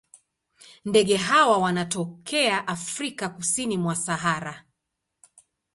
Ndege hawa wanatokea Afrika kusini mwa Sahara.